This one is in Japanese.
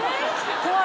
怖い！